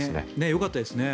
よかったですね。